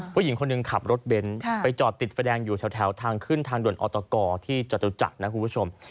ผู้หญิงคนหนึ่งขับรถเบนท์ไปจอดติดไฟแดงอยู่แถวทางขึ้นทางด่วนออตกที่จตุจักรนะคุณผู้ชม